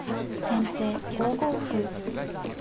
先手５五歩。